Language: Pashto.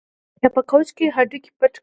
یا په کوچ کې هډوکي پټ کړي